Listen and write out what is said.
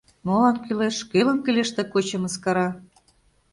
Молан кӱлеш, кӧлан кӱлеш ты кочо мыскара?